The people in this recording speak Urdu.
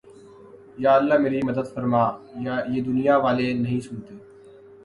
یا اللہ میری مدد فرمایہ دنیا والے نہیں سنتے